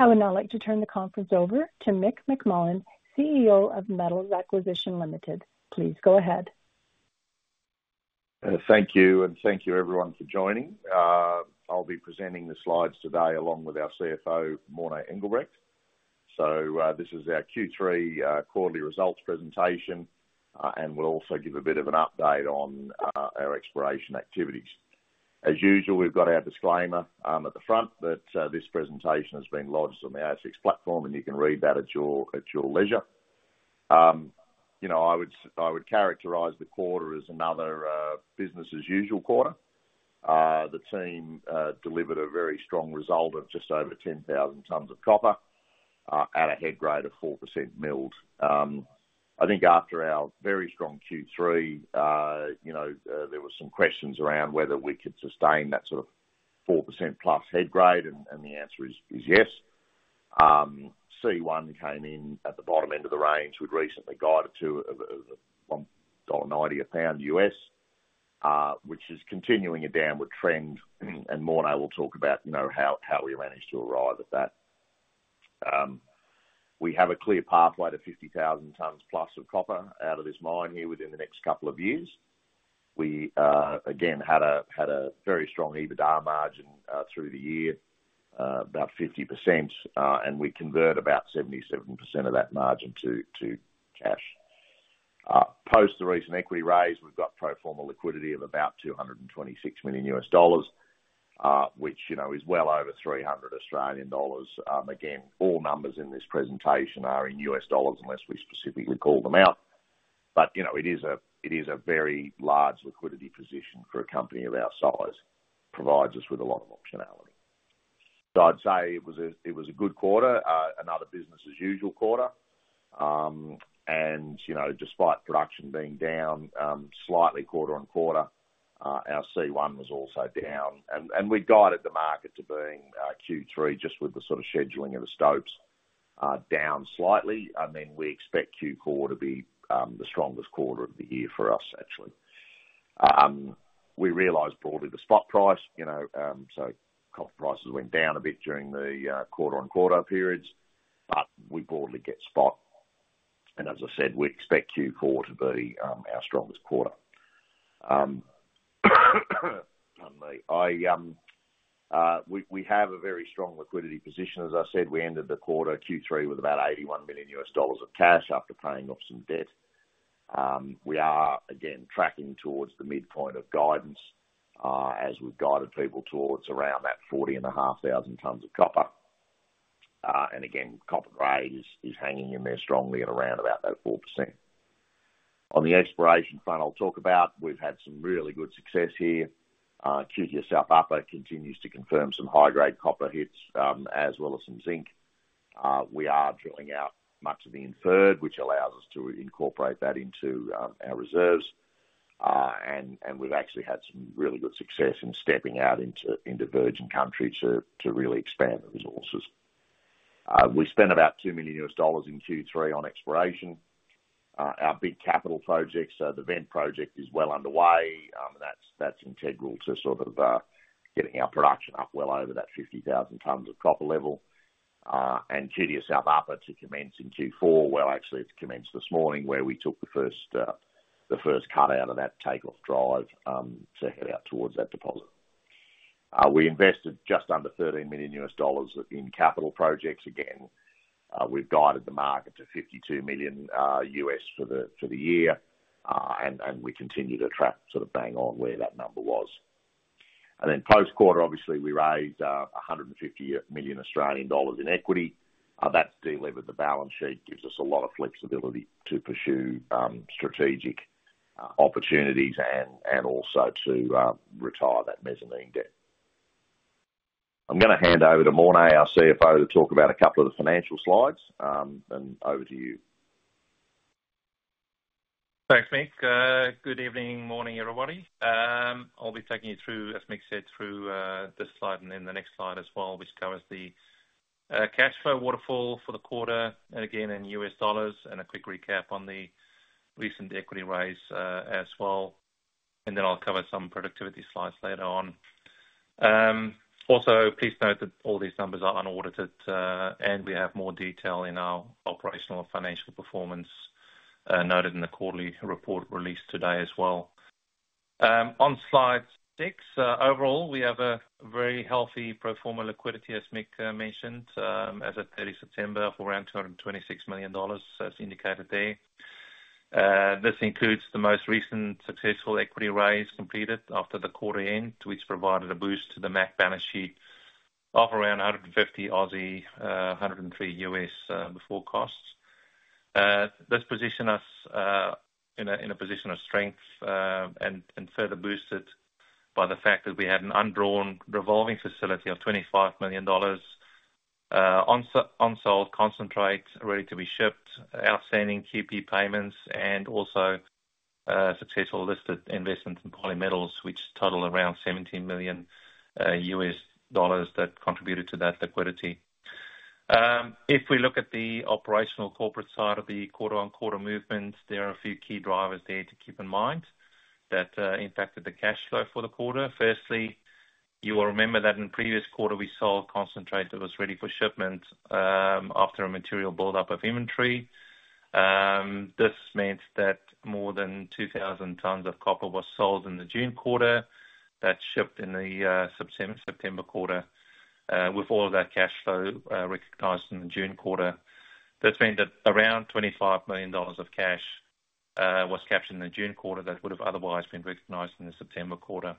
I would now like to turn the conference over to Mick McMullen, CEO of Metals Acquisition Limited. Please go ahead. Thank you, and thank you everyone for joining. I'll be presenting the slides today along with our CFO, Morné Engelbrecht. So, this is our Q3 quarterly results presentation, and we'll also give a bit of an update on our exploration activities. As usual, we've got our disclaimer at the front, that this presentation has been lodged on the ASX platform, and you can read that at your leisure. You know, I would characterize the quarter as another business as usual quarter. The team delivered a very strong result of just over 10,000 tons of copper at a head grade of 4% milled. I think after our very strong Q3, you know, there were some questions around whether we could sustain that sort of 4% plus head grade, and the answer is yes. C1 came in at the bottom end of the range. We'd recently guided to $0.90 a pound U.S., which is continuing a downward trend, and Morné will talk about, you know, how we managed to arrive at that. We have a clear pathway to 50,000 tons plus of copper out of this mine here within the next couple of years. We again had a very strong EBITDA margin through the year, about 50%, and we convert about 77% of that margin to cash. Post the recent equity raise, we've got pro forma liquidity of about $226 million, which, you know, is well over 300 Australian dollars. Again, all numbers in this presentation are in U.S. dollars, unless we specifically call them out. But, you know, it is a very large liquidity position for a company of our size. Provides us with a lot of optionality. So I'd say it was a good quarter, another business as usual quarter. And, you know, despite production being down slightly quarter on quarter, our C1 was also down, and we guided the market to Q3 being down slightly, just with the sort of scheduling of the stopes. And then we expect Q4 to be the strongest quarter of the year for us, actually. We realized broadly the spot price, you know, so copper prices went down a bit during the, quarter on quarter periods, but we broadly get spot. And as I said, we expect Q4 to be, our strongest quarter. Pardon me. We have a very strong liquidity position. As I said, we ended the quarter, Q3 with about $81 million of cash after paying off some debt. We are, again, tracking towards the midpoint of guidance, as we've guided people towards around that 40.5 thousand tons of copper. And again, copper grade is hanging in there strongly at around about that 4%. On the exploration front, I'll talk about, we've had some really good success here. QTS South Upper continues to confirm some high-grade copper hits, as well as some zinc. We are drilling out much of the inferred, which allows us to incorporate that into our reserves. And we've actually had some really good success in stepping out into virgin country to really expand the resources. We spent about $2 million in Q3 on exploration. Our big capital projects, so the vent project is well underway. That's integral to sort of getting our production up well over that 50,000 tons of copper level. And QTS South Upper to commence in Q4, well, actually, it commenced this morning, where we took the first cut out of that take-off drive to head out towards that deposit. We invested just under $13 million in capital projects. Again, we've guided the market to $52 million for the year. We continue to track sort of bang on where that number was, and then post-quarter, obviously, we raised 150 million Australian dollars in equity. That de-levered the balance sheet, gives us a lot of flexibility to pursue strategic opportunities and also to retire that mezzanine debt. I'm gonna hand over to Morné, our CFO, to talk about a couple of the financial slides, and over to you. Thanks, Mick. Good evening, morning, everybody. I'll be taking you through, as Mick said, through this slide and then the next slide as well, which covers the cash flow waterfall for the quarter, and again, in U.S. dollars, and a quick recap on the recent equity raise, as well. Then I'll cover some productivity slides later on. Also, please note that all these numbers are unaudited, and we have more detail in our operational and financial performance, noted in the quarterly report released today as well. On Slide six, overall, we have a very healthy pro forma liquidity, as Mick mentioned, as at 30 September of around $226 million, as indicated there. This includes the most recent successful equity raise completed after the quarter end, which provided a boost to the MAC balance sheet of around 150 million, $103 million before costs. This positions us in a position of strength and further boosted by the fact that we had an undrawn revolving facility of $25 million, unsold concentrate ready to be shipped, outstanding QP payments, and also successful listed investments in Polymetals, which total around $17 million that contributed to that liquidity. If we look at the operational corporate side of the quarter on quarter movements, there are a few key drivers there to keep in mind that impacted the cash flow for the quarter. Firstly-... You will remember that in the previous quarter, we sold concentrate that was ready for shipment after a material buildup of inventory. This means that more than 2,000 tons of copper was sold in the June quarter. That shipped in the September quarter with all of that cash flow recognized in the June quarter. That's meant that around $25 million of cash was captured in the June quarter that would have otherwise been recognized in the September quarter.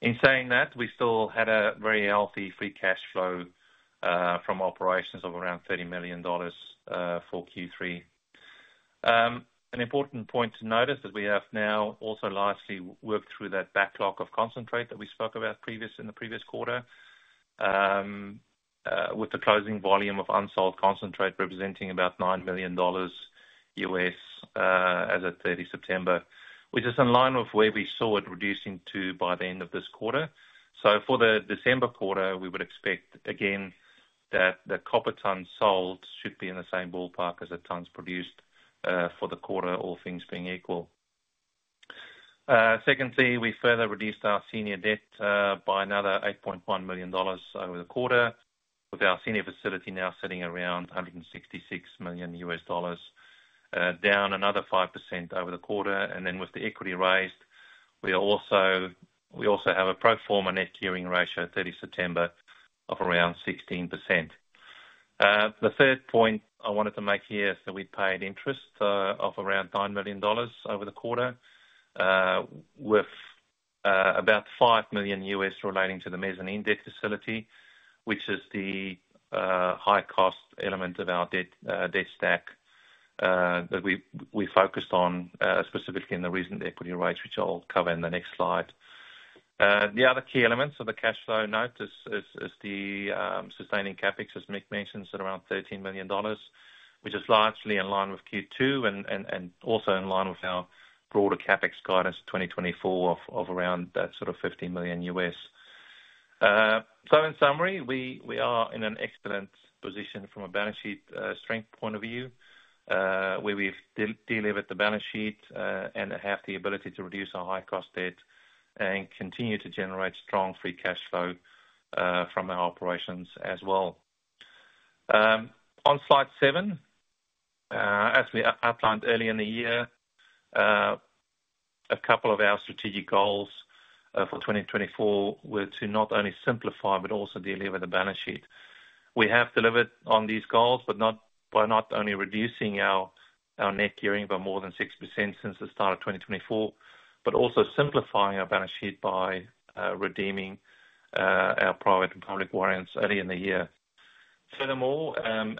In saying that, we still had a very healthy free cash flow from operations of around $30 million for Q3. An important point to note is that we have now also largely worked through that backlog of concentrate that we spoke about previously in the previous quarter. With the closing volume of unsold concentrate representing about $9 million as at 30 September, which is in line with where we saw it reducing to by the end of this quarter. So for the December quarter, we would expect again that the copper tons sold should be in the same ballpark as the tons produced for the quarter, all things being equal. Secondly, we further reduced our senior debt by another $8.1 million over the quarter, with our senior facility now sitting around $166 million, down another 5% over the quarter. Then with the equity raised, we also have a pro forma net gearing ratio, 30 September, of around 16%. The third point I wanted to make here is that we paid interest of around $9 million over the quarter, with about $5 million relating to the mezzanine debt facility, which is the high-cost element of our debt stack that we focused on specifically in the recent equity raise, which I'll cover in the next slide. The other key elements of the cash flow note is the sustaining CapEx, as Mick mentioned, sit around $13 million, which is largely in line with Q2 and also in line with our broader CapEx guidance, 2024 of around that sort of $15 million. So in summary, we are in an excellent position from a balance sheet strength point of view, where we've delevered the balance sheet and have the ability to reduce our high-cost debt and continue to generate strong free cash flow from our operations as well. On slide seven, as we outlined earlier in the year, a couple of our strategic goals for twenty twenty-four were to not only simplify, but also delever the balance sheet. We have delivered on these goals by not only reducing our net gearing by more than 6% since the start of twenty twenty-four, but also simplifying our balance sheet by redeeming our private and public warrants early in the year. Furthermore,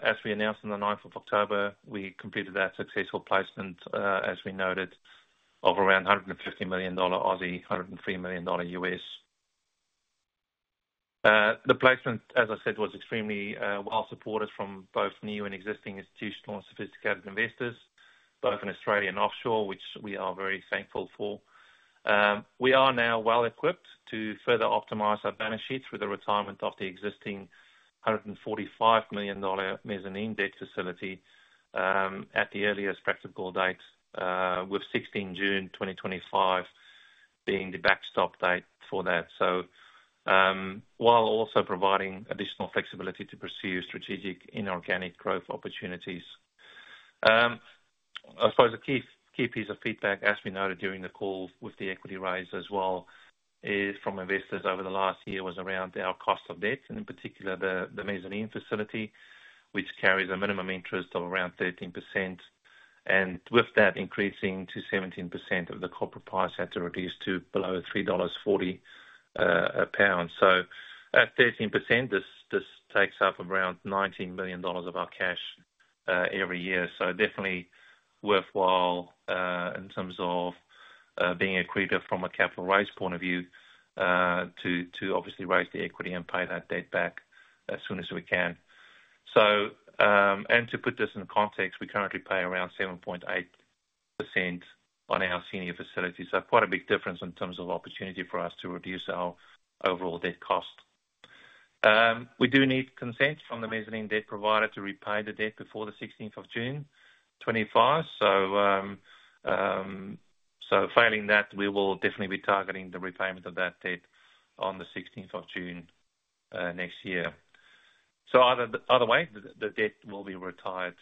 as we announced on the ninth of October, we completed that successful placement, as we noted, of around 150 million Aussie dollars, $103 million. The placement, as I said, was extremely well-supported from both new and existing institutional and sophisticated investors, both in Australia and offshore, which we are very thankful for. We are now well-equipped to further optimize our balance sheet through the retirement of the existing $145 million mezzanine debt facility at the earliest practical date, with sixteenth June twenty twenty-five being the backstop date for that. So, while also providing additional flexibility to pursue strategic inorganic growth opportunities. I suppose a key piece of feedback, as we noted during the call with the equity raise as well, is from investors over the last year was around our cost of debt, and in particular, the mezzanine facility, which carries a minimum interest of around 13%. And with that increasing to 17% of the copper price had to reduce to below $3.40 a pound. So at 13%, this takes up around $19 million of our cash every year. So definitely worthwhile in terms of being accretive from a capital raise point of view to obviously raise the equity and pay that debt back as soon as we can. So, and to put this into context, we currently pay around 7.8% on our senior facility. So quite a big difference in terms of opportunity for us to reduce our overall debt cost. We do need consent from the mezzanine debt provider to repay the debt before the sixteenth of June, 2025. So failing that, we will definitely be targeting the repayment of that debt on the sixteenth of June, next year. So either way, the debt will be retired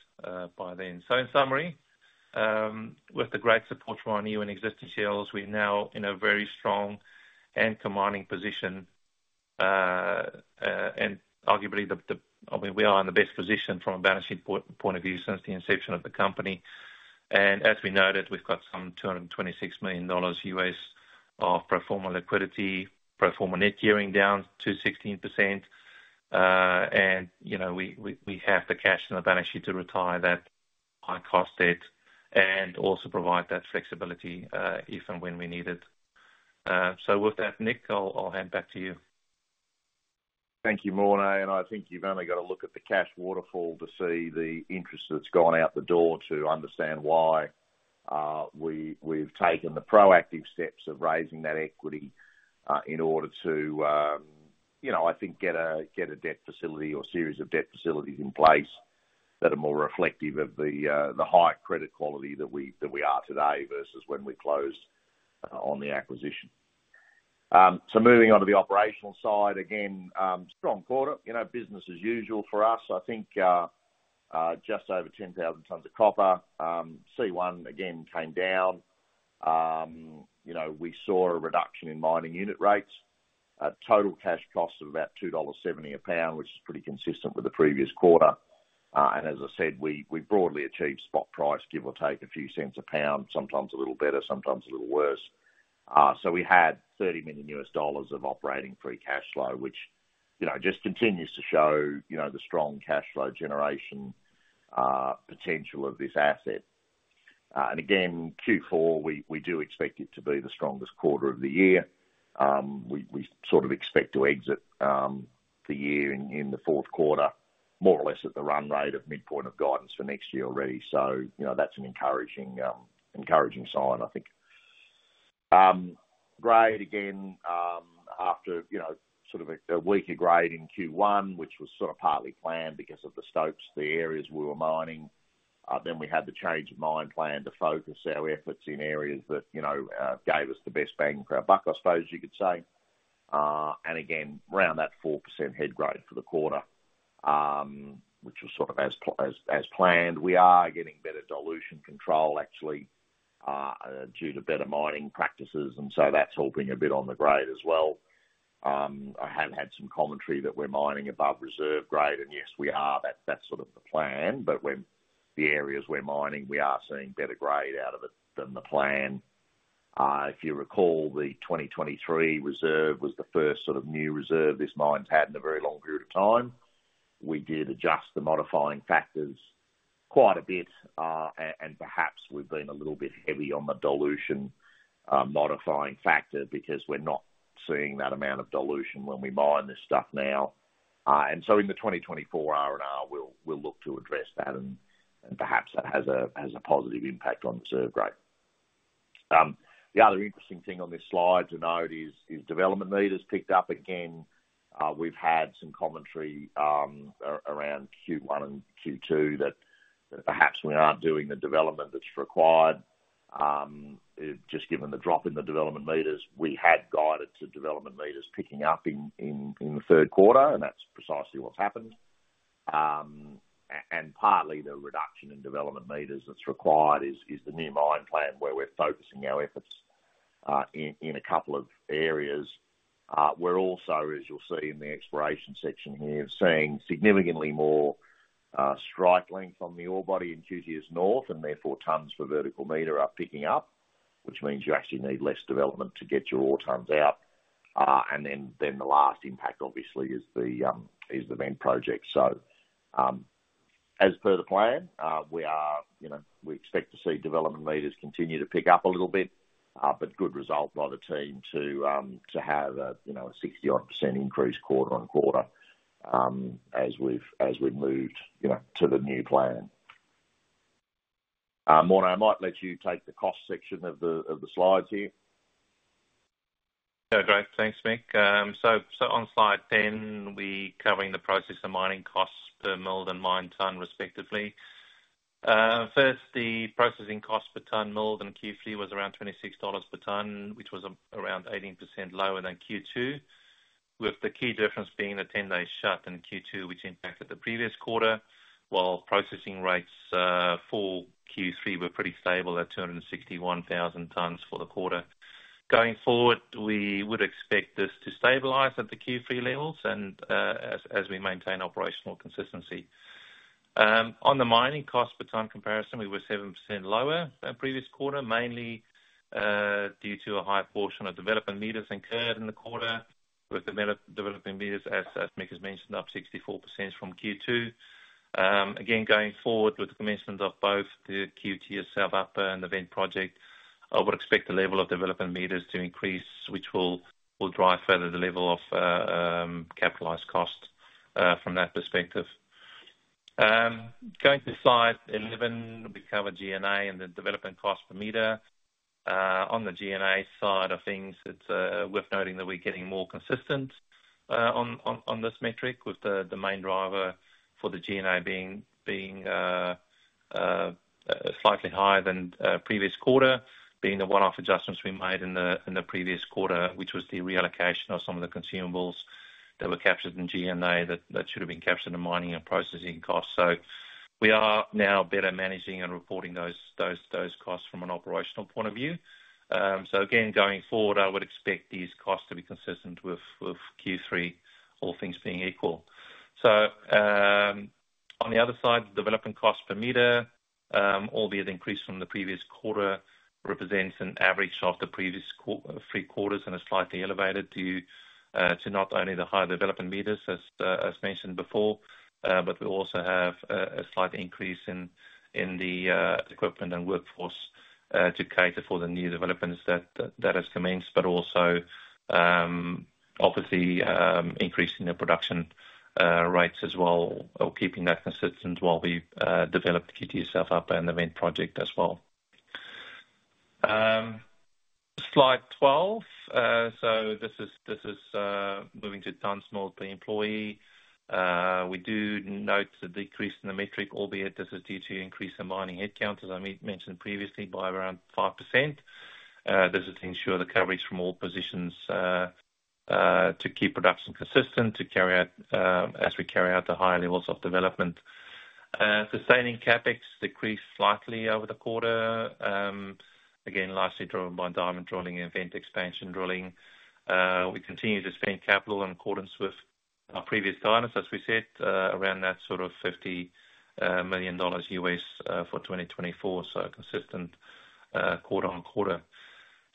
by then. So in summary, with the great support from our new and existing shareholders, we're now in a very strong and commanding position, and arguably the... I mean, we are in the best position from a balance sheet point of view since the inception of the company. As we noted, we've got some $226 million of pro forma liquidity, pro forma net gearing down to 16%. You know, we have the cash in the balance sheet to retire that high-cost debt and also provide that flexibility, if and when we need it. With that, Mick, I'll hand back to you. Thank you, Morne, and I think you've only got to look at the cash waterfall to see the interest that's gone out the door to understand why we've taken the proactive steps of raising that equity in order to you know I think get a debt facility or series of debt facilities in place that are more reflective of the high credit quality that we are today versus when we closed on the acquisition, so moving on to the operational side, again, strong quarter, you know, business as usual for us. I think just over 10,000 tons of copper. C1 again came down. You know, we saw a reduction in mining unit rates, a total cash cost of about $2.70 a pound, which is pretty consistent with the previous quarter, and as I said, we broadly achieved spot price, give or take a few cents a pound, sometimes a little better, sometimes a little worse, so we had $30 million of operating free cash flow, which, you know, just continues to show, you know, the strong cash flow generation potential of this asset, and again, Q4, we do expect it to be the strongest quarter of the year. We sort of expect to exit the year in the fourth quarter, more or less at the run rate of midpoint of guidance for next year already, so you know, that's an encouraging sign, I think. Grade again, after you know, sort of a weaker grade in Q1, which was sort of partly planned because of the stopes, the areas we were mining. Then we had the change of mine plan to focus our efforts in areas that, you know, gave us the best bang for our buck, I suppose you could say. And again, around that 4% head grade for the quarter, which was sort of as planned. We are getting better dilution control, actually, due to better mining practices, and so that's helping a bit on the grade as well. I have had some commentary that we're mining above reserve grade, and yes, we are. That's sort of the plan, but when the areas we're mining, we are seeing better grade out of it than the plan. If you recall, the 2023 reserve was the first sort of new reserve this mine's had in a very long period of time. We did adjust the modifying factors quite a bit, and perhaps we've been a little bit heavy on the dilution, modifying factor because we're not seeing that amount of dilution when we mine this stuff now, and so in the 2024 R&R, we'll look to address that, and perhaps that has a positive impact on the reserve grade. The other interesting thing on this slide to note is development meters picked up again. We've had some commentary around Q1 and Q2 that perhaps we aren't doing the development that's required. Just given the drop in the development meters, we had guided to development meters picking up in the third quarter, and that's precisely what's happened. And partly the reduction in development meters that's required is the new mine plan, where we're focusing our efforts in a couple of areas. We're also, as you'll see in the exploration section here, seeing significantly more strike length on the ore body in QTS North, and therefore, tons for vertical meter are picking up, which means you actually need less development to get your ore tons out. And then the last impact, obviously, is the Vent project. So, as per the plan, we are, you know, we expect to see development meters continue to pick up a little bit, but good result by the team to, to have a, you know, a 60-odd% increase quarter on quarter, as we've moved, you know, to the new plan. Morné, I might let you take the cost section of the slides here. Yeah, great. Thanks, Mick. So, on slide 10, we're covering the processing and mining costs per milled and mined ton respectively. First, the processing cost per ton milled in Q3 was around $26 per ton, which was around 18% lower than Q2, with the key difference being the 10-day shutdown in Q2, which impacted the previous quarter, while processing rates for Q3 were pretty stable at 261,000 tons for the quarter. Going forward, we would expect this to stabilize at the Q3 levels, and as we maintain operational consistency. On the mining cost per ton comparison, we were 7% lower than previous quarter, mainly due to a high portion of development meters incurred in the quarter, with development meters, as Mick has mentioned, up 64% from Q2. Again, going forward with the commencement of both the QTS South Upper and the Vent project, I would expect the level of development meters to increase, which will drive further the level of capitalized cost from that perspective. Going to slide 11, we cover G&A and the development cost per meter. On the G&A side of things, it's worth noting that we're getting more consistent on this metric, with the main driver for the G&A being slightly higher than previous quarter, being the one-off adjustments we made in the previous quarter, which was the reallocation of some of the consumables that were captured in G&A, that should have been captured in mining and processing costs. So we are now better managing and reporting those costs from an operational point of view. So again, going forward, I would expect these costs to be consistent with Q3, all things being equal. So, on the other side, development cost per meter, albeit increased from the previous quarter, represents an average of the previous three quarters and are slightly elevated due to not only the higher development meters as mentioned before, but we also have a slight increase in the equipment and workforce to cater for the new developments that has commenced, but also obviously increasing the production rates as well, or keeping that consistent while we develop QTS South Upper and the Vent project as well. Slide 12. So this is moving to tons milled per employee. We do note the decrease in the metric, albeit this is due to increase in mining headcount, as I mentioned previously, by around 5%. This is to ensure the coverage from all positions to keep production consistent, to carry out as we carry out the higher levels of development. Sustaining CapEx decreased slightly over the quarter, again, largely driven by diamond drilling and vent expansion drilling. We continue to spend capital in accordance with our previous guidance, as we said, around that sort of $50 million for 2024, so consistent quarter on quarter.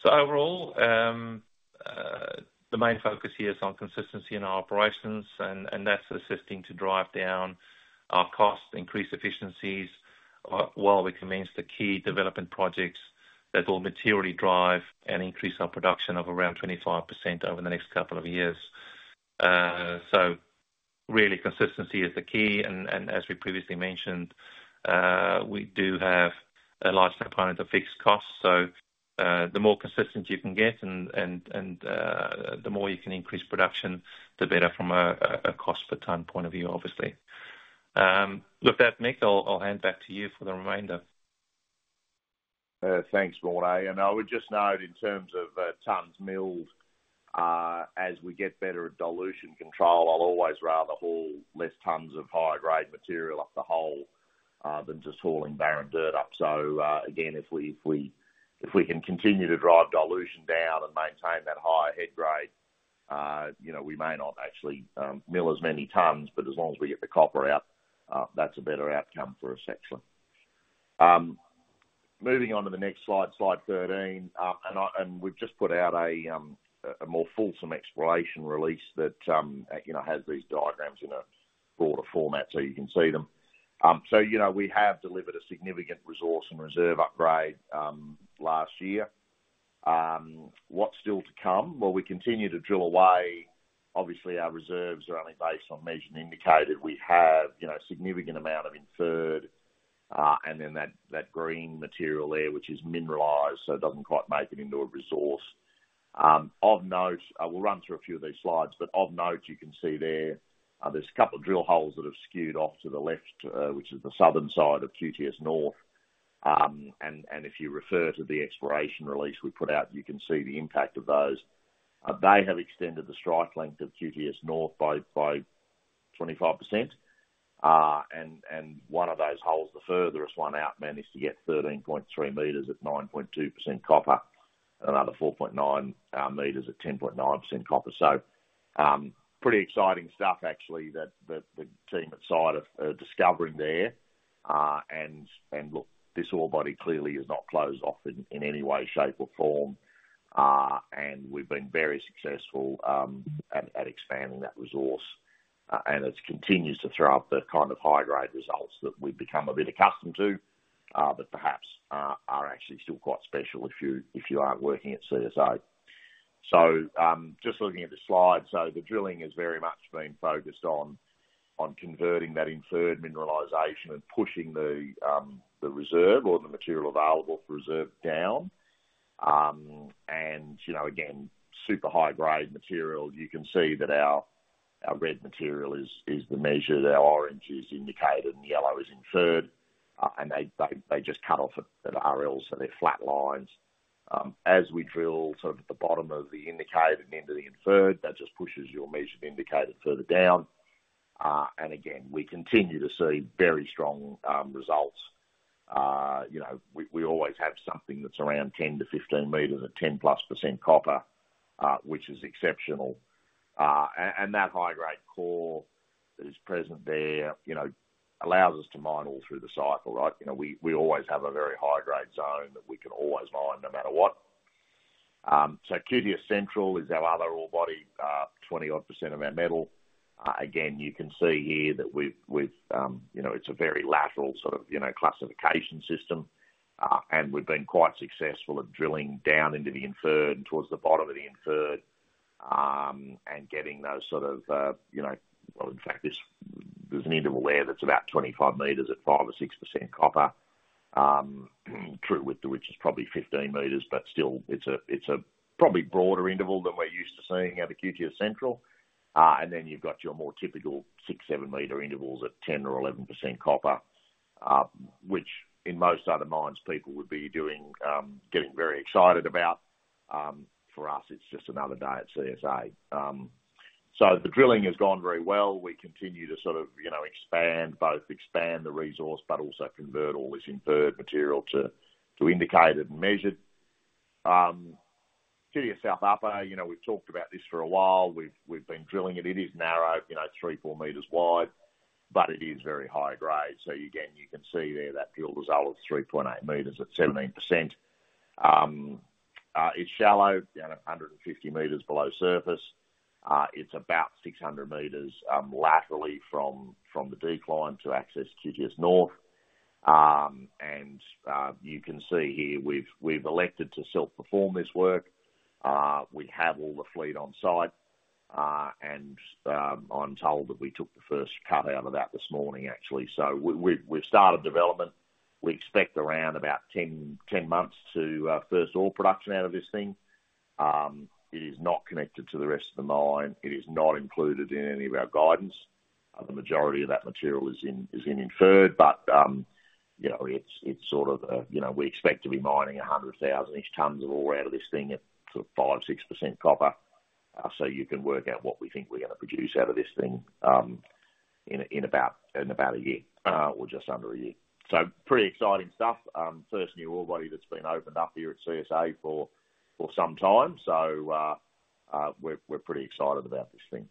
So overall, the main focus here is on consistency in our operations and that's assisting to drive down our costs, increase efficiencies, while we commence the key development projects that will materially drive and increase our production of around 25% over the next couple of years. So really, consistency is the key, and as we previously mentioned, we do have a large component of fixed costs. So, the more consistent you can get and the more you can increase production, the better from a cost per tonne point of view, obviously. With that, Mick, I'll hand back to you for the remainder. Thanks, Morné. And I would just note in terms of tonnes milled, as we get better at dilution control, I'll always rather haul less tonnes of high-grade material up the hole than just hauling barren dirt up. So, again, if we can continue to drive dilution down and maintain that higher head grade, you know, we may not actually mill as many tonnes, but as long as we get the copper out, that's a better outcome for us, actually. Moving on to the next slide, slide thirteen. And we've just put out a more fulsome exploration release that, you know, has these diagrams in a broader format so you can see them. So, you know, we have delivered a significant resource and reserve upgrade last year. What's still to come? Well, we continue to drill away. Obviously, our reserves are only based on Measured and Indicated. We have, you know, a significant amount of Inferred, and then that green material there, which is mineralized, so it doesn't quite make it into a resource. Of note, I will run through a few of these slides, but of note, you can see there, there's a couple of drill holes that have skewed off to the left, which is the southern side of QTS North. And if you refer to the exploration release we put out, you can see the impact of those. They have extended the strike length of QTS North by 25%. And one of those holes, the furthest one out, managed to get 13.3 meters at 9.2% copper, another 4.9 meters at 10.9% copper. So, pretty exciting stuff actually, that the team at site are discovering there. And look, this ore body clearly is not closed off in any way, shape, or form. And we've been very successful at expanding that resource, and it continues to throw up the kind of high-grade results that we've become a bit accustomed to, but perhaps are actually still quite special if you aren't working at CSA. So, just looking at the slide. So the drilling has very much been focused on converting that inferred mineralization and pushing the reserve or the material available for reserve down. And, you know, again, super high-grade material. You can see that our red material is the measured, the orange is indicated, and yellow is inferred. And they just cut off at RL, so they're flat lines. As we drill sort of at the bottom of the indicated and into the inferred, that just pushes your measured indicated further down. And again, we continue to see very strong results. You know, we always have something that's around 10-15 meters at 10+% copper, which is exceptional. And that high-grade core that is present there, you know, allows us to mine all through the cycle, right? You know, we always have a very high-grade zone that we can always mine no matter what. So QTS Central is our other ore body, 20-odd% of our metal. Again, you can see here that we've you know, it's a very lateral sort of you know, classification system. And we've been quite successful at drilling down into the inferred and towards the bottom of the inferred, and getting those sort of you know. Well, in fact, there's an interval there that's about 25 meters at 5% or 6% copper, true width, which is probably 15 meters, but still it's a probably broader interval than we're used to seeing out of QTS Central. And then you've got your more typical 6-7 meter intervals at 10% or 11% copper, which in most other mines, people would be doing, getting very excited about. For us, it's just another day at CSA. So the drilling has gone very well. We continue to sort of, you know, expand, both expand the resource, but also convert all this inferred material to indicated and measured. QTS South Upper, you know, we've talked about this for a while. We've been drilling it. It is narrow, you know, 3-4 meters wide, but it is very high-grade. So again, you can see there that drill result of 3.8 meters at 17%. It's shallow, down at 150 meters below surface. It's about 600 meters laterally from the decline to access QTS North. You can see here, we've elected to self-perform this work. We have all the fleet on site. I'm told that we took the first cut out of that this morning, actually. So we've started development. We expect around about 10 months to first ore production out of this thing. It is not connected to the rest of the mine. It is not included in any of our guidance. The majority of that material is in inferred, you know, it's sort of, you know, we expect to be mining 100,000 tonnes of ore out of this thing at sort of 5-6% copper. So you can work out what we think we're gonna produce out of this thing, in about a year, or just under a year. So pretty exciting stuff. First new ore body that's been opened up here at CSA for some time. So, we're pretty excited about this thing.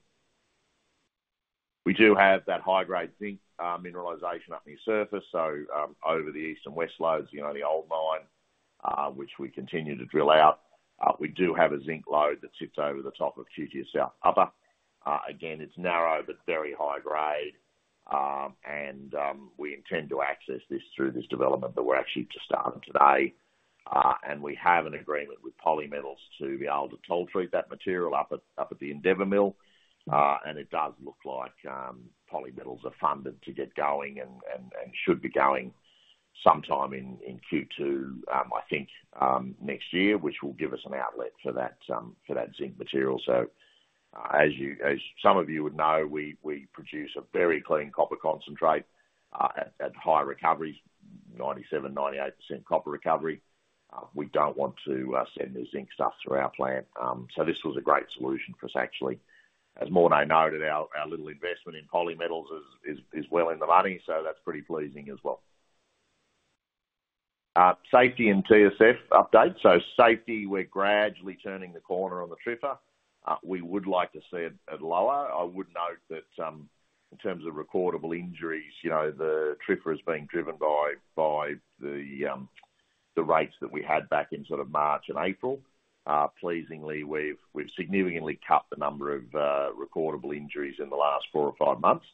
We do have that high-grade zinc mineralization up near surface, so, over the east and west lodes, you know, the old mine, which we continue to drill out. We do have a zinc lode that sits over the top of QTS South Upper. Again, it's narrow, but very high grade, and we intend to access this through this development that we're actually just starting today. And we have an agreement with Poly Metals to be able to toll treat that material up at the Endeavor Mill. And it does look like Poly Metals are funded to get going and should be going sometime in Q2, I think, next year, which will give us an outlet for that zinc material. So, as some of you would know, we produce a very clean copper concentrate at high recoveries, 97%-98% copper recovery. We don't want to send the zinc stuff through our plant. So this was a great solution for us, actually. As Morné noted, our little investment in Poly Metals is well in the money, so that's pretty pleasing as well. Safety and TSF update. Safety, we're gradually turning the corner on the TRIFR. We would like to see it at lower. I would note that, in terms of recordable injuries, you know, the TRIFR is being driven by the rates that we had back in sort of March and April. Pleasingly, we've significantly cut the number of recordable injuries in the last four or five months.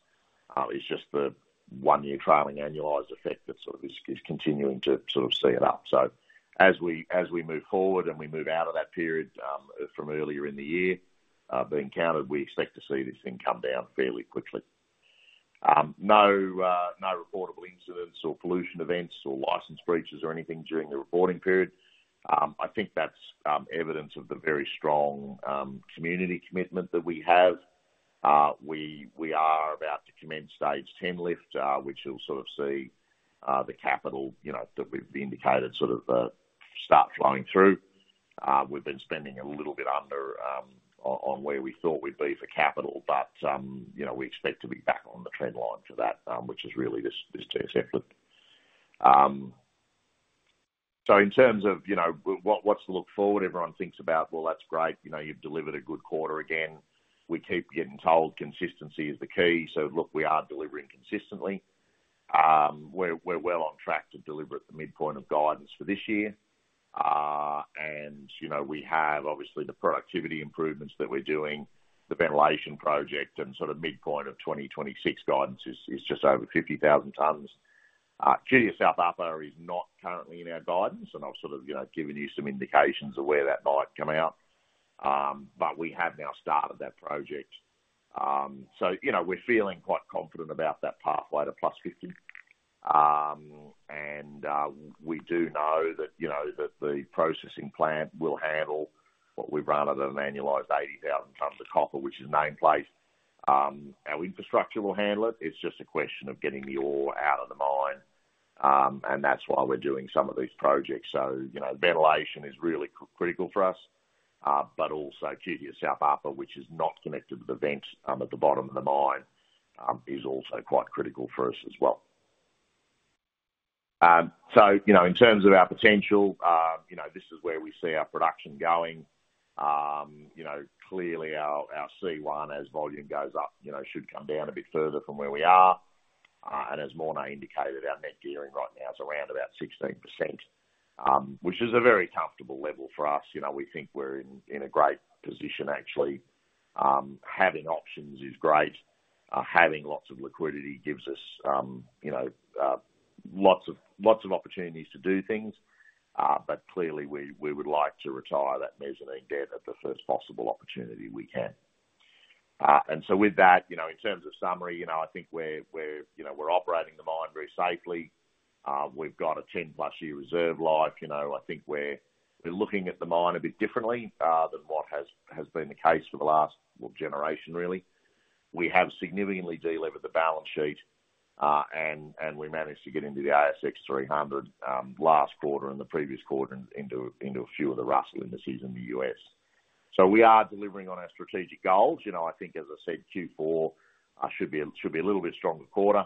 It's just the one-year trailing annualized effect that sort of is continuing to sort of see it up. So as we move forward and we move out of that period, from earlier in the year, being counted, we expect to see this thing come down fairly quickly. No recordable incidents or pollution events or license breaches or anything during the reporting period. I think that's evidence of the very strong community commitment that we have. We are about to commence stage 10 lift, which will sort of see the capital, you know, that we've indicated, sort of, start flowing through. We've been spending a little bit under where we thought we'd be for capital, but you know, we expect to be back on the trend line for that, which is really this TSF lift. So in terms of, you know, what's the look forward? Everyone thinks about, Well, that's great, you know, you've delivered a good quarter again. We keep getting told consistency is the key, so look, we are delivering consistently. We're well on track to deliver at the midpoint of guidance for this year. You know, we have obviously the productivity improvements that we're doing, the ventilation project, and sort of the midpoint of 2026 guidance is just over 50,000 tons. QTS South Upper is not currently in our guidance, and I've sort of you know given you some indications of where that might come out, but we have now started that project. You know, we're feeling quite confident about that pathway to plus 50. We do know that you know that the processing plant will handle what we've rounded to an annualized 80,000 tons of copper, which is nameplate. Our infrastructure will handle it. It's just a question of getting the ore out of the mine, and that's why we're doing some of these projects. You know, ventilation is really critical for us, but also QTS South Upper, which is not connected to the Vent, at the bottom of the mine, is also quite critical for us as well. You know, in terms of our potential, you know, this is where we see our production going. You know, clearly our C1, as volume goes up, you know, should come down a bit further from where we are, and as Morné indicated, our net gearing right now is around about 16%, which is a very comfortable level for us. You know, we think we're in a great position actually. Having options is great. Having lots of liquidity gives us, you know, lots of opportunities to do things, but clearly, we would like to retire that mezzanine debt at the first possible opportunity we can. And so with that, you know, in terms of summary, you know, I think we're operating the mine very safely. We've got a ten-plus year reserve life. You know, I think we're looking at the mine a bit differently than what has been the case for the last, well, generation, really. We have significantly delevered the balance sheet, and we managed to get into the ASX 300, last quarter and the previous quarter, and into a few of the Russell indices in the U.S. So we are delivering on our strategic goals. You know, I think, as I said, Q4 should be a little bit stronger quarter.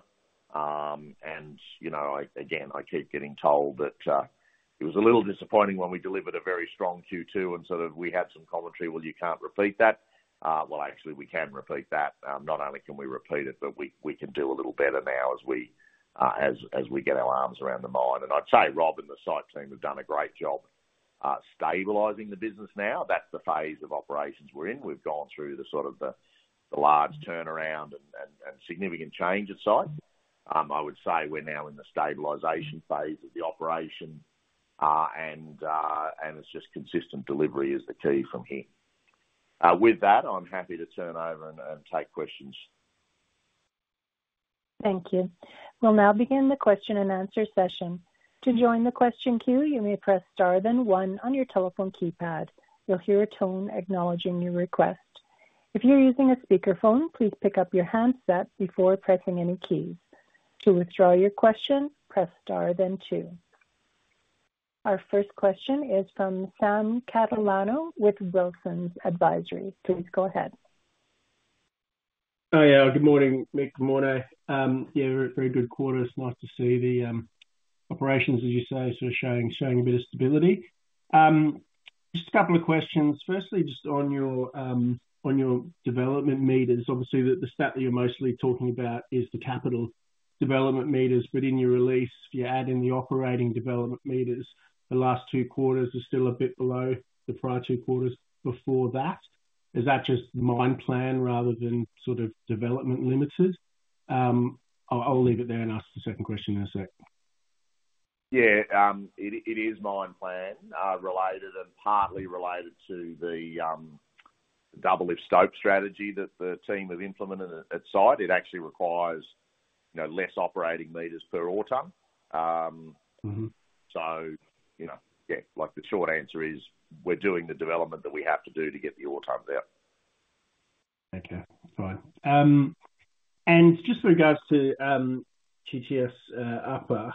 You know, I again keep getting told that it was a little disappointing when we delivered a very strong Q2, and so that we had some commentary, "Well, you can't repeat that." Actually, we can repeat that. Not only can we repeat it, but we can do a little better now as we get our arms around the mine. I'd say Rob and the site team have done a great job stabilizing the business now. That's the phase of operations we're in. We've gone through sort of the large turnaround and significant change of site. I would say we're now in the stabilization phase of the operation.... And it's just consistent delivery is the key from here. With that, I'm happy to turn over and take questions. Thank you. We'll now begin the question and answer session. To join the question queue, you may press star, then one on your telephone keypad. You'll hear a tone acknowledging your request. If you're using a speakerphone, please pick up your handset before pressing any keys. To withdraw your question, press star, then two. Our first question is from Sam Catalano with Wilsons Advisory. Please go ahead. Oh, yeah. Good morning, Mick. Good morning. Yeah, very, very good quarter. It's nice to see the operations, as you say, sort of showing a bit of stability. Just a couple of questions. Firstly, just on your on your development meters, obviously, the stat that you're mostly talking about is the capital development meters, but in your release, if you add in the operating development meters, the last two quarters are still a bit below the prior two quarters before that. Is that just mine plan rather than sort of development limitations? I'll leave it there and ask the second question in a sec. Yeah, it is mine plan related and partly related to the double lift stope strategy that the team have implemented at site. It actually requires, you know, less operating meters per ore tonne. Mm-hmm. So, you know, yeah, like the short answer is, we're doing the development that we have to do to get the ore tonnes out. Okay. Fine, and just with regards to QTS upper,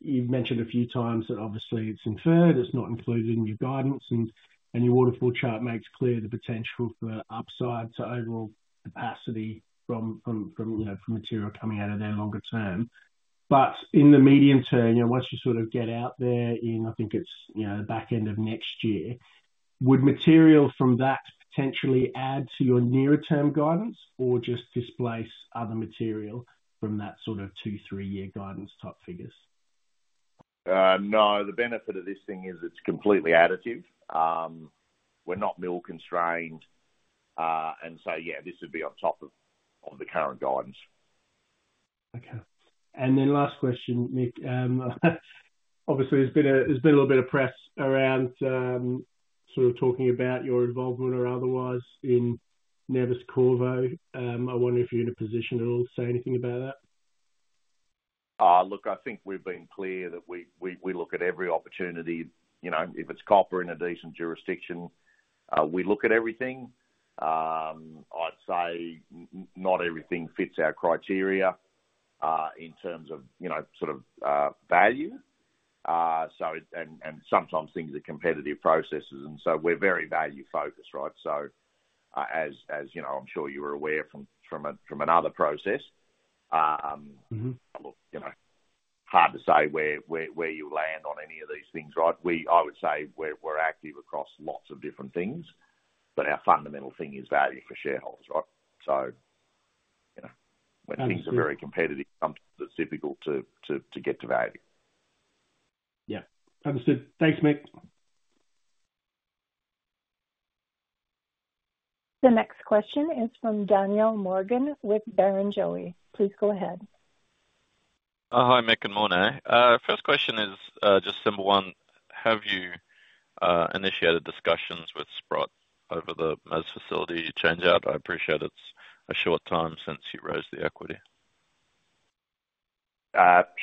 you've mentioned a few times that obviously it's inferred. It's not included in your guidance, and your waterfall chart makes clear the potential for upside to overall capacity from, you know, from material coming out of there longer term. But in the medium term, you know, once you sort of get out there in, I think it's, you know, the back end of next year, would material from that potentially add to your nearer term guidance or just displace other material from that sort of two, three-year guidance type figures? No, the benefit of this thing is it's completely additive. We're not mill constrained, and so, yeah, this would be on top of the current guidance. Okay. And then last question, Mick. Obviously, there's been a little bit of press around sort of talking about your involvement or otherwise in Neves-Corvo. I wonder if you're in a position at all to say anything about that? Look, I think we've been clear that we look at every opportunity, you know, if it's copper in a decent jurisdiction, we look at everything. I'd say not everything fits our criteria, in terms of, you know, sort of, value. So and sometimes things are competitive processes, and so we're very value focused, right? So, as you know, I'm sure you're aware from another process. Mm-hmm. Look, you know, hard to say where you land on any of these things, right? We—I would say, we're active across lots of different things, but our fundamental thing is value for shareholders, right? So, you know, when things- Understood. are very competitive, sometimes it's difficult to get to value. Yeah. Understood. Thanks, Mick. The next question is from Danielle Morgan with Barrenjoey. Please go ahead. Hi, Mick and Morné. First question is just simple one: Have you initiated discussions with Sprott over the mez facility changeout? I appreciate it's a short time since you raised the equity.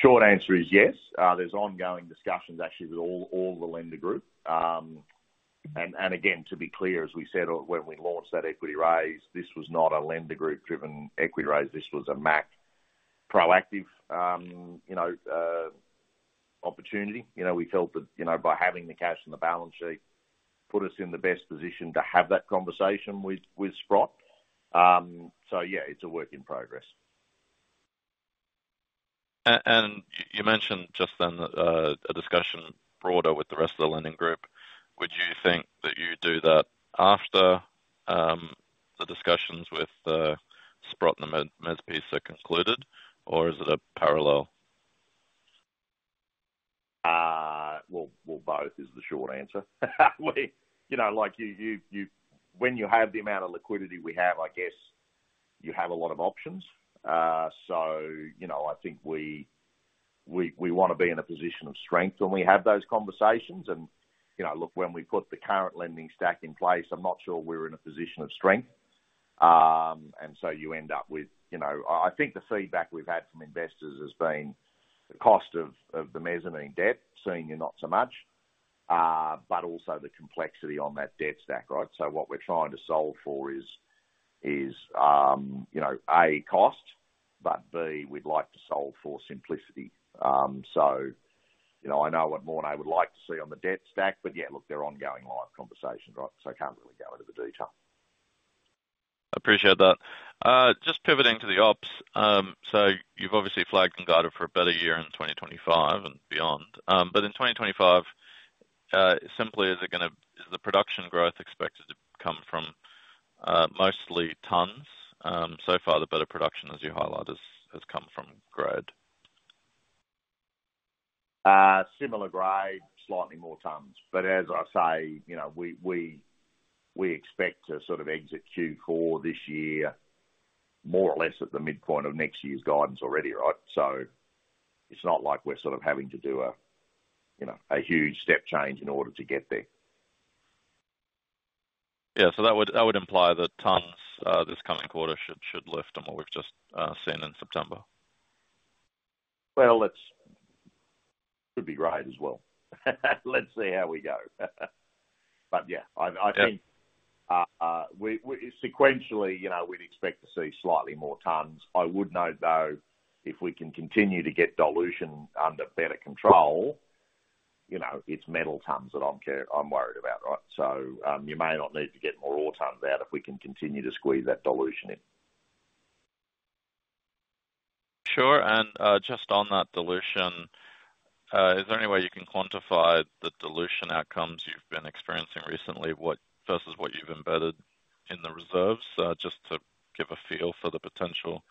Short answer is yes. There's ongoing discussions actually with all the lender group. And again, to be clear, as we said, when we launched that equity raise, this was not a lender group-driven equity raise. This was a MAC proactive, you know, opportunity. You know, we felt that, you know, by having the cash on the balance sheet, put us in the best position to have that conversation with Sprott. So yeah, it's a work in progress. You mentioned just then that a broader discussion with the rest of the lending group. Would you think that you do that after the discussions with Sprott and the mez piece are concluded, or is it a parallel? Well, both is the short answer. You know, like, you, when you have the amount of liquidity we have, I guess, you have a lot of options. So, you know, I think we wanna be in a position of strength when we have those conversations. And, you know, look, when we put the current lending stack in place, I'm not sure we're in a position of strength. And so you end up with, you know, I think the feedback we've had from investors has been the cost of the mezzanine debt, seeing you not so much, but also the complexity on that debt stack, right? So what we're trying to solve for is, you know, A, cost, but B, we'd like to solve for simplicity. So, you know, I know what Morné would like to see on the debt stack, but yeah, look, they're ongoing live conversations, right? So I can't really go into the detail. Appreciate that. Just pivoting to the ops. So you've obviously flagged and guided for a better year in 2025 and beyond, but in 2025, simply, is the production growth expected to come from mostly tons? So far, the better production, as you highlighted, has come from grade. Similar grade, slightly more tons. But as I say, you know, we expect to sort of exit Q4 this year, more or less at the midpoint of next year's guidance already, right? So it's not like we're sort of having to do a, you know, a huge step change in order to get there. Yeah. So that would imply that tons this coming quarter should lift on what we've just seen in September. Well, that could be right as well. Let's see how we go. But yeah, I think- Yeah. We sequentially, you know, we'd expect to see slightly more tons. I would know, though, if we can continue to get dilution under better control, you know, it's metal tons that I'm worried about, right? So, you may not need to get more ore tons out, if we can continue to squeeze that dilution in. Sure. And just on that dilution, is there any way you can quantify the dilution outcomes you've been experiencing recently, what versus what you've embedded in the reserves? Just to give a feel for the potential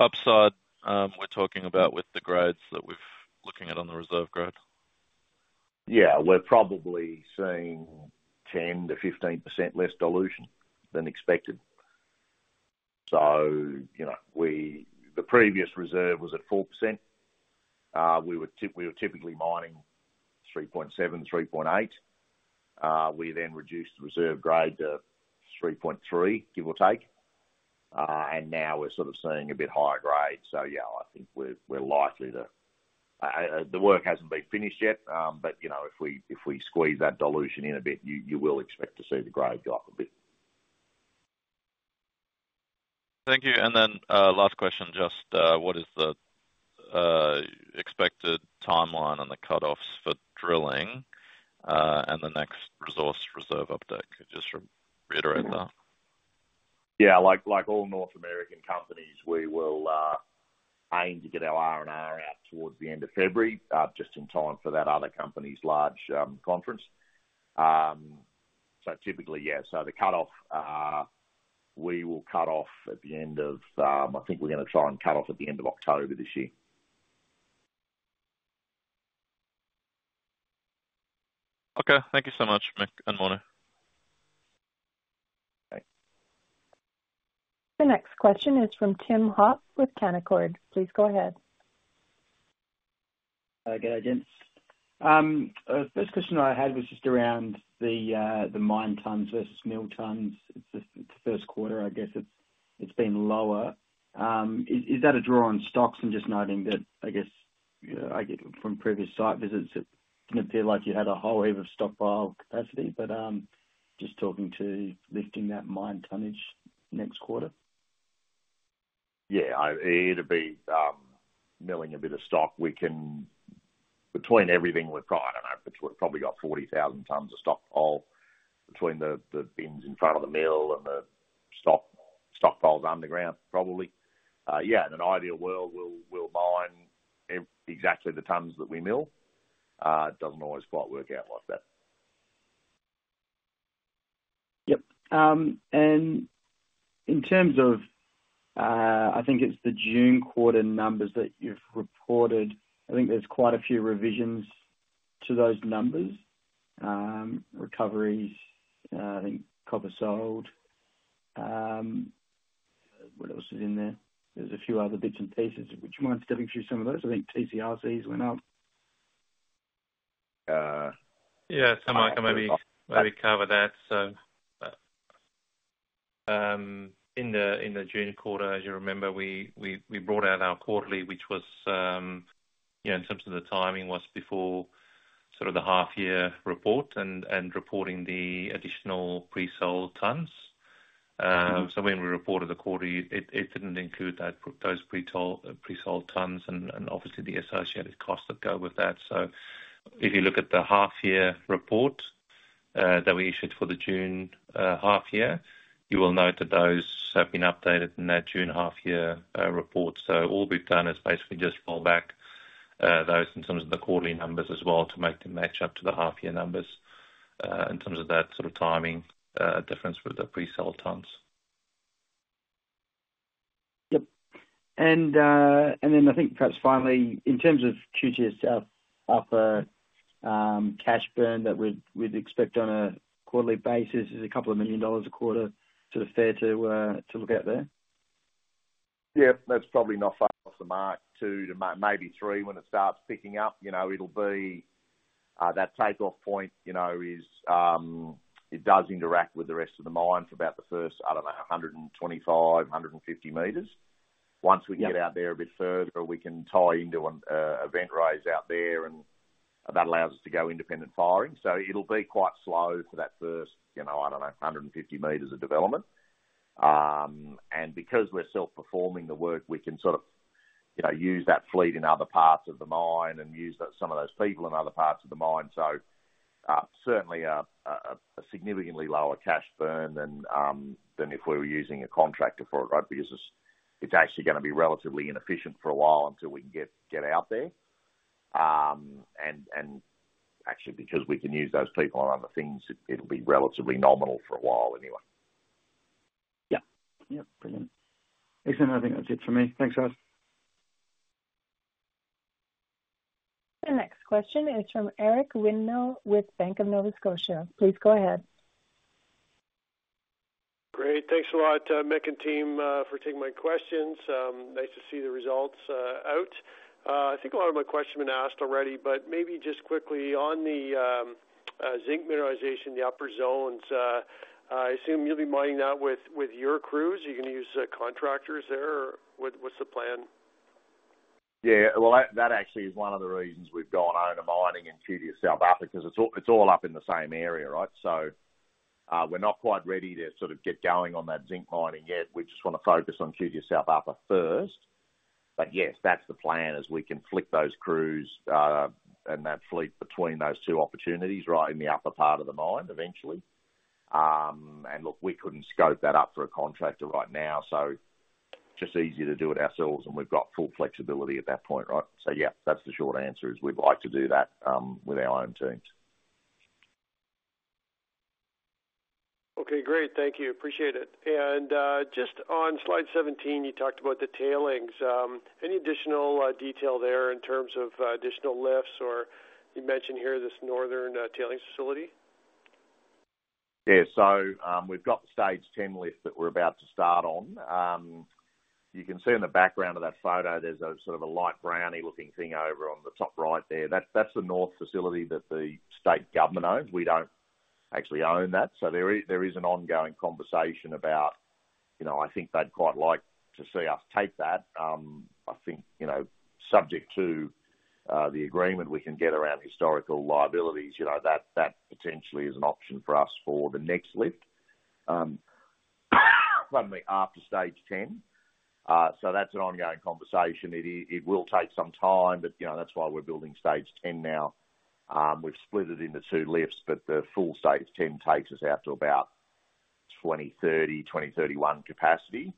upside, we're talking about with the grades that we've looking at on the reserve grade. Yeah, we're probably seeing 10%-15% less dilution than expected. So, you know, we the previous reserve was at 4%. We were typically mining 3.7, 3.8. We then reduced the reserve grade to 3.3, give or take. And now we're sort of seeing a bit higher grade. So yeah, I think we're likely to. The work hasn't been finished yet, but, you know, if we squeeze that dilution in a bit, you will expect to see the grade go up a bit. Thank you. And then, last question, just, what is the expected timeline on the cutoffs for drilling, and the next resource reserve update? Just reiterate that. Yeah, like, like all North American companies, we will aim to get our R&R out towards the end of February, just in time for that other company's large conference. So typically, yeah, so the cutoff, we will cut off at the end of, I think we're gonna try and cut off at the end of October this year. Okay. Thank you so much, Mick and Morné. Bye. The next question is from Tim Hoff with Canaccord. Please go ahead. Good day, gents. First question I had was just around the mine tons versus mill tons. It's the first quarter, I guess it's been lower. Is that a draw on stocks? And just noting that, I guess, I get from previous site visits, it didn't feel like you had a whole heap of stockpile capacity, but just talking to lifting that mine tonnage next quarter. Yeah, it'll be milling a bit of stock. Between everything we've got, I don't know, we've probably got 40,000 tons of stockpile between the bins in front of the mill and the stockpiles underground, probably. Yeah, in an ideal world, we'll mine exactly the tons that we mill. It doesn't always quite work out like that. Yep. And in terms of, I think it's the June quarter numbers that you've reported, I think there's quite a few revisions to those numbers. Recoveries, I think copper sold. What else is in there? There's a few other bits and pieces. Would you mind stepping through some of those? I think TCRCs went up. Uh- Yeah, so Michael, maybe cover that. So, in the June quarter, as you remember, we brought out our quarterly, which was, you know, in terms of the timing, was before sort of the half year report and reporting the additional pre-sold tons. So when we reported the quarterly, it didn't include that, those pre-sold tons and obviously the associated costs that go with that. So if you look at the half year report, that we issued for the June half year, you will note that those have been updated in that June half year report. All we've done is basically just fall back those in terms of the quarterly numbers as well, to make them match up to the half year numbers, in terms of that sort of timing difference with the pre-sold tons. Yep. And then I think perhaps finally, in terms of QTS South Upper, cash burn that we'd expect on a quarterly basis is a couple of million AUD a quarter, sort of fair to look at there? Yeah, that's probably not far off the mark. Two to maybe three when it starts picking up. You know, it'll be that takeoff point, you know. It does interact with the rest of the mine for about the first, I don't know, hundred and twenty-five, hundred and fifty meters. Yep. Once we get out there a bit further, we can tie into a vent rise out there, and that allows us to go independent firing. So it'll be quite slow for that first, you know, I don't know, hundred and fifty meters of development. And because we're self-performing the work, we can sort of, you know, use that fleet in other parts of the mine and use that some of those people in other parts of the mine. So certainly a significantly lower cash burn than if we were using a contractor for it, right? Because it's actually gonna be relatively inefficient for a while until we can get out there. And actually, because we can use those people on other things, it'll be relatively nominal for a while anyway. Yeah. Yep, brilliant. Listen, I think that's it for me. Thanks, guys. The next question is from Eric Winmill with Bank of Nova Scotia. Please go ahead. Great. Thanks a lot, Mick and team, for taking my questions. Nice to see the results out. I think a lot of my questions have been asked already, but maybe just quickly on the zinc mineralization, the upper zones, I assume you'll be mining that with your crews? Are you gonna use contractors there, or what's the plan? Yeah, well, that, that actually is one of the reasons we've gone owner mining in QTS South Upper, because it's all, it's all up in the same area, right? So, we're not quite ready to sort of get going on that zinc mining yet. We just want to focus on QTS South Upper first. But yes, that's the plan, as we can flick those crews, and that fleet between those two opportunities right in the upper part of the mine, eventually. And look, we couldn't scope that up for a contractor right now, so just easier to do it ourselves, and we've got full flexibility at that point, right? So yeah, that's the short answer, is we'd like to do that, with our own teams. Okay, great. Thank you. Appreciate it. And, just on slide seventeen, you talked about the tailings. Any additional detail there in terms of additional lifts, or you mentioned here this northern tailings facility? Yeah. So, we've got the stage 10 lift that we're about to start on. You can see in the background of that photo, there's a sort of a light brownie looking thing over on the top right there. That's the north facility that the state government owns. We don't actually own that. So there is an ongoing conversation about, you know, I think they'd quite like to see us take that. I think, you know, subject to the agreement, we can get around historical liabilities, you know, that potentially is an option for us for the next lift, probably after stage 10. So that's an ongoing conversation. It will take some time, but, you know, that's why we're building stage 10 now. We've split it into two lifts, but the full stage 10 takes us out to about 20-30, 20 to 31 capacity,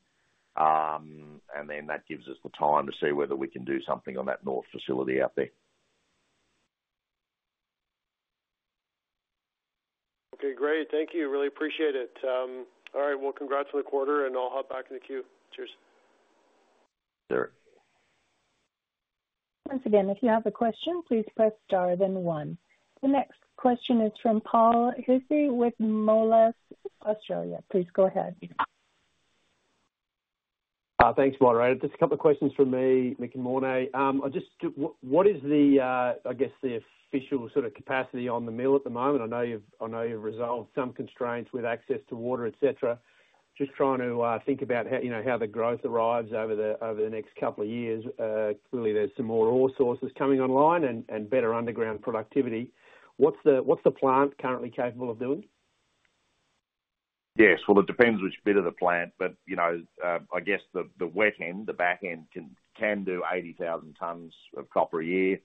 and then that gives us the time to see whether we can do something on that north facility out there. Okay, great. Thank you. Really appreciate it. All right, well, congrats on the quarter, and I'll hop back in the queue. Cheers. Sure. Once again, if you have a question, please press Star, then One. The next question is from Paul Hussey with Moelis Australia. Please go ahead. Thanks, moderator. Just a couple of questions from me, Mick and Morné. I just... What is the, I guess, the official sort of capacity on the mill at the moment? I know you've resolved some constraints with access to water, et cetera. Just trying to think about how, you know, how the growth arrives over the next couple of years. Clearly there's some more ore sources coming online and better underground productivity. What's the plant currently capable of doing? Yes, well, it depends which bit of the plant, but, you know, I guess the wet end, the back end, can do eighty thousand tons of copper a year.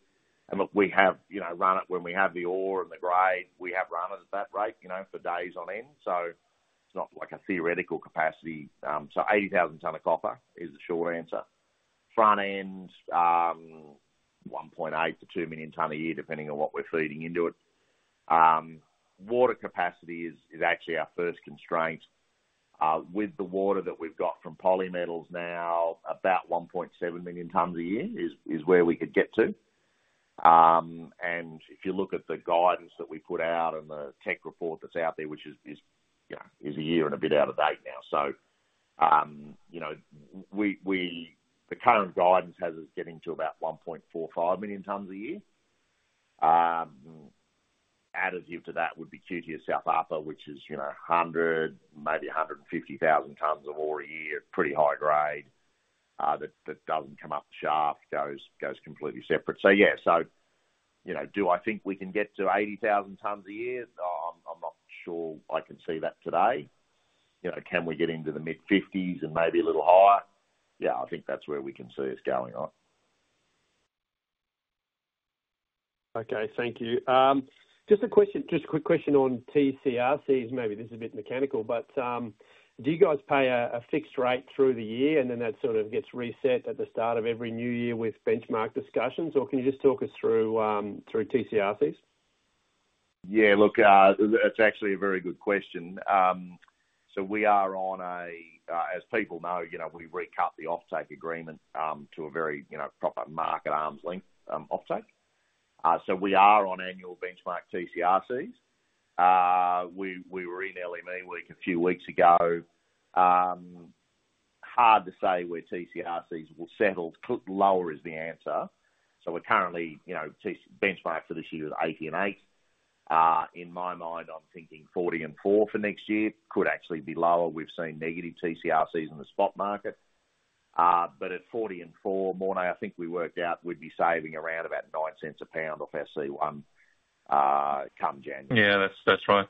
And look, we have, you know, run it when we have the ore and the grade, we have run it at that rate, you know, for days on end, so it's not like a theoretical capacity. So eighty thousand ton of copper is the short answer. Front end, one point eight to two million ton a year, depending on what we're feeding into it. Water capacity is actually our first constraint. With the water that we've got from Polymetals now, about one point seven million tons a year is where we could get to. And if you look at the guidance that we put out and the tech report that's out there, which is, you know, a year and a bit out of date now. So, you know, we, the current guidance has us getting to about 1.45 million tons a year. Additive to that would be QTS South Upper, which is, you know, 100, maybe 150,000 tons of ore a year, pretty high grade, that doesn't come up the shaft, goes completely separate. So yeah, so, you know, do I think we can get to 80,000 tons a year? No, I'm not sure I can see that today. You know, can we get into the mid-fifties and maybe a little higher? Yeah, I think that's where we can see us going on. Okay, thank you. Just a question, just a quick question on TCRCs. Maybe this is a bit mechanical, but, do you guys pay a fixed rate through the year, and then that sort of gets reset at the start of every new year with benchmark discussions? Or can you just talk us through TCRCs? Yeah, look, that's actually a very good question. So we are on a, as people know, you know, we've recut the offtake agreement, to a very, you know, proper market arm's length, offtake. So we are on annual benchmark TCRCs. We were in LME Week a few weeks ago. Hard to say where TCRCs will settle. Lower is the answer. So we're currently, you know, TC benchmark for this year is eighty and eight. In my mind, I'm thinking forty and four for next year. Could actually be lower. We've seen negative TCRCs in the spot market. But at forty and four, Morné, I think we worked out we'd be saving around about $0.09 a pound off our C1, come January. Yeah, that's, that's right.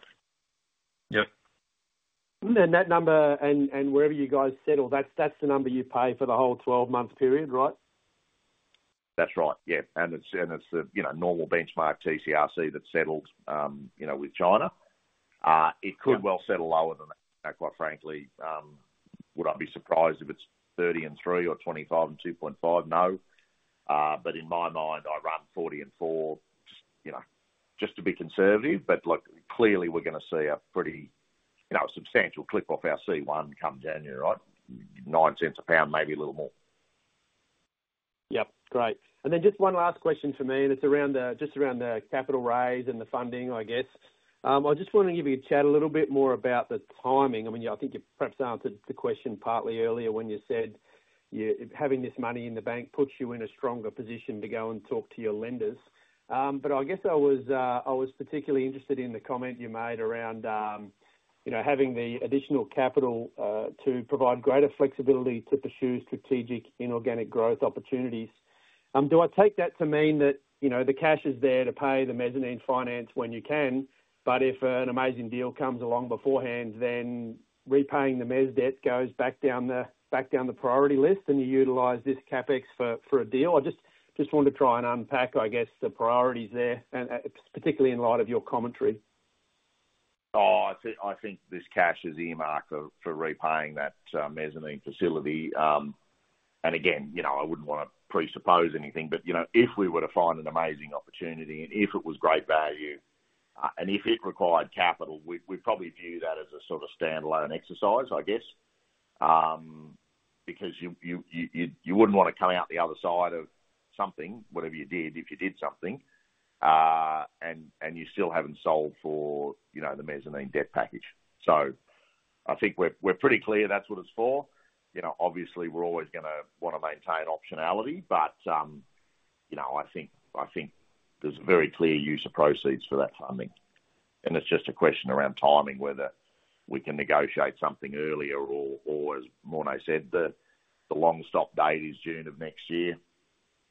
Yep. And then that number, and wherever you guys settle, that's the number you pay for the whole twelve-month period, right? That's right. Yeah. And it's the, you know, normal benchmark TCRC that settles, you know, with China. It could well settle lower than that, quite frankly. Would I be surprised if it's thirty and three or twenty-five and two point five? No. But in my mind, I run forty and four, you know, just to be conservative. But look, clearly, we're gonna see, you know, a substantial clip off our C1 come January, right? $0.09 a pound, maybe a little more. Yep, great. And then just one last question for me, and it's just around the capital raise and the funding, I guess. I just want to have a chat a little bit more about the timing. I mean, I think you perhaps answered the question partly earlier when you said, yeah, having this money in the bank puts you in a stronger position to go and talk to your lenders. But I guess I was particularly interested in the comment you made around, you know, having the additional capital to provide greater flexibility to pursue strategic inorganic growth opportunities. Do I take that to mean that, you know, the cash is there to pay the mezzanine debt when you can, but if an amazing deal comes along beforehand, then repaying the mezz debt goes back down the priority list, and you utilize this CapEx for a deal? I just wanted to try and unpack, I guess, the priorities there, and particularly in light of your commentary. Oh, I think this cash is earmarked for repaying that mezzanine facility, and again, you know, I wouldn't want to presuppose anything, but, you know, if we were to find an amazing opportunity, and if it was great value, and if it required capital, we'd probably view that as a sort of standalone exercise, I guess, because you wouldn't want to come out the other side of something, whatever you did, if you did something, and you still haven't sold for, you know, the mezzanine debt package, so I think we're pretty clear that's what it's for. You know, obviously, we're always gonna wanna maintain optionality, but, you know, I think there's a very clear use of proceeds for that funding, and it's just a question around timing, whether we can negotiate something earlier or as Morne said, the long stop date is June of next year.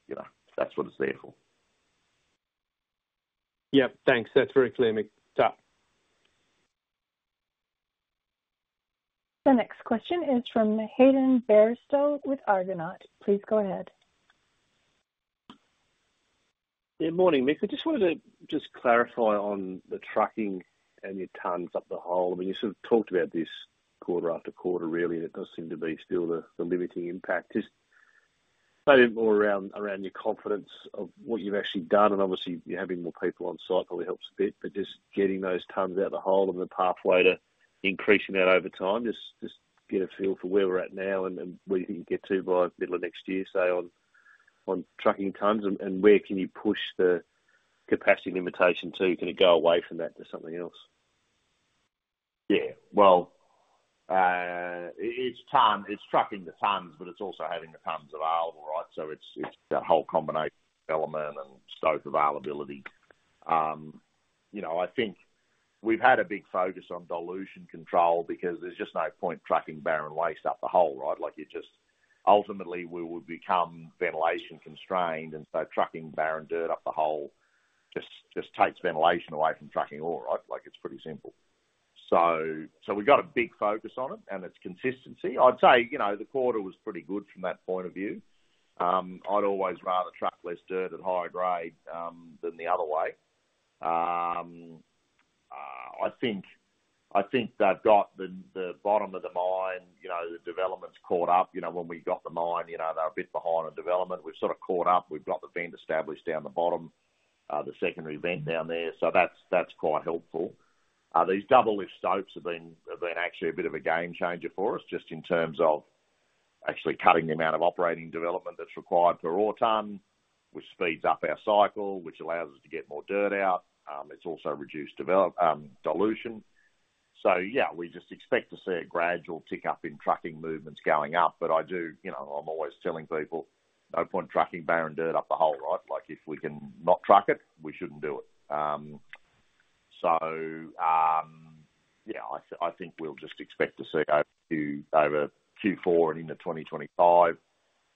You know, that's what it's there for. Yep. Thanks. That's very clear, Mick. Thanks. The next question is from Hayden Bairstow with Argonaut. Please go ahead. Yeah, morning, Mick. I just wanted to clarify on the trucking and your tonnes up the hole. I mean, you sort of talked about this quarter after quarter really, and it does seem to be still the limiting impact. Just maybe more around your confidence of what you've actually done, and obviously, you having more people on site probably helps a bit, but just getting those tonnes out of the hole and the pathway to increasing that over time. Just get a feel for where we're at now and where you can get to by middle of next year, say, on trucking tonnes, and where can you push the capacity limitation to? Can it go away from that to something else? Yeah, well, it's tonne, it's trucking the tonnes, but it's also having the tonnes available, right? So it's that whole combination, element, and stope availability. You know, I think we've had a big focus on dilution control because there's just no point trucking barren waste up the hole, right? Like, you just... Ultimately, we would become ventilation constrained, and so trucking barren dirt up the hole just takes ventilation away from trucking ore, right? Like, it's pretty simple. So we've got a big focus on it, and it's consistency. I'd say, you know, the quarter was pretty good from that point of view. I'd always rather truck less dirt at higher grade than the other way. I think they've got the bottom of the mine, you know, the development's caught up. You know, when we got the mine, you know, they're a bit behind on development. We've sort of caught up. We've got the vent established down the bottom, the secondary vent down there. So that's quite helpful. These double lift stopes have actually been a bit of a game changer for us, just in terms of actually cutting the amount of operating development that's required per ore tonne, which speeds up our cycle, which allows us to get more dirt out. It's also reduced development dilution. So yeah, we just expect to see a gradual tick up in trucking movements going up. But I do. You know, I'm always telling people, "No point trucking barren dirt up the hole, right? Like, if we can not truck it, we shouldn't do it. So, I think we'll just expect to see over Q4 and into 2025,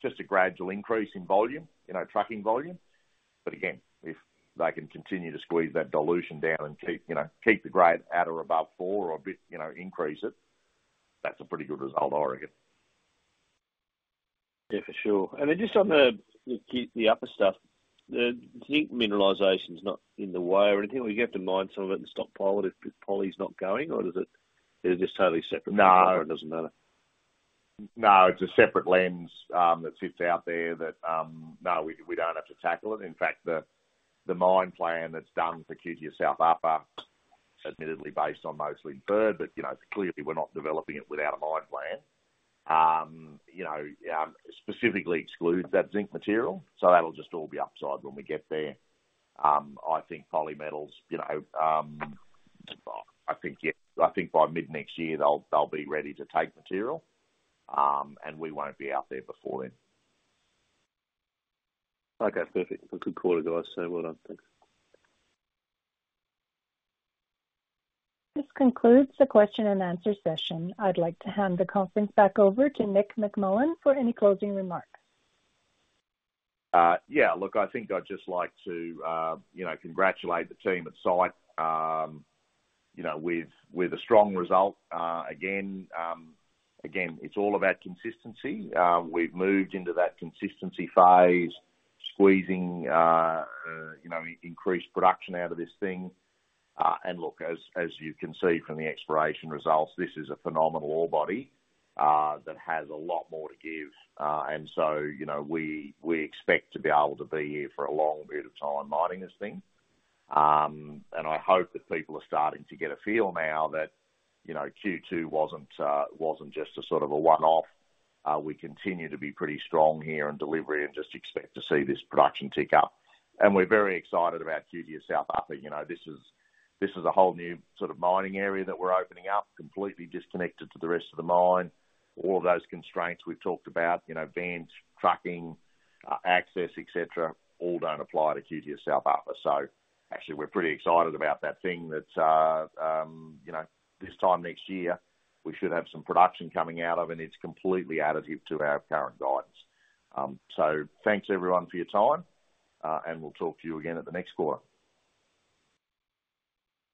just a gradual increase in volume, in our trucking volume. But again, if they can continue to squeeze that dilution down and keep, you know, keep the grade at or above four or a bit, you know, increase it, that's a pretty good result, I reckon. Yeah, for sure. And then just on the Q upper stuff, the zinc mineralization is not in the way or anything. We get to mine some of it and stockpile it if Poly's not going, or does it? Is it just totally separate? No. Or it doesn't matter? No, it's a separate lens that sits out there that. No, we don't have to tackle it. In fact, the mine plan that's done for QTS South Upper, admittedly based on mostly inferred, but you know, clearly we're not developing it without a mine plan. Specifically excludes that zinc material, so that'll just all be upside when we get there. I think Poly Metals, you know, I think, yeah, I think by mid-next year, they'll be ready to take material, and we won't be out there before then. Okay, perfect. A good quarter, guys. So well done. Thanks. This concludes the question and answer session. I'd like to hand the conference back over to Mick McMullen for any closing remarks. Yeah, look, I think I'd just like to, you know, congratulate the team at site, you know, with a strong result. Again, it's all about consistency. We've moved into that consistency phase, squeezing, you know, increased production out of this thing. And look, as you can see from the exploration results, this is a phenomenal ore body that has a lot more to give. And so, you know, we expect to be able to be here for a long bit of time mining this thing. And I hope that people are starting to get a feel now that, you know, Q2 wasn't just a sort of a one-off. We continue to be pretty strong here in delivery and just expect to see this production tick up. We're very excited about QTS South Upper. You know, this is, this is a whole new sort of mining area that we're opening up, completely disconnected to the rest of the mine. All of those constraints we've talked about, you know, vents, trucking, access, et cetera, all don't apply to QTS South Upper. So actually, we're pretty excited about that thing that, you know, this time next year, we should have some production coming out of, and it's completely additive to our current guidance. So thanks everyone for your time, and we'll talk to you again at the next quarter.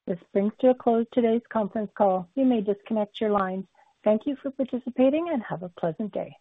This brings to a close today's conference call. You may disconnect your lines. Thank you for participating, and have a pleasant day.